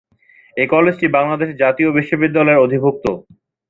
এ কলেজটি বাংলাদেশ জাতীয় বিশ্ববিদ্যালয়ের অধিভুক্ত।